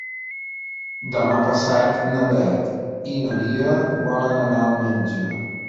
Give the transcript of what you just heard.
Demà passat na Beth i na Lia volen anar al metge.